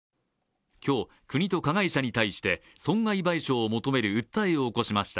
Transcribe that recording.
今日、国と加害者に対して損害賠償を求める訴えを起こしました。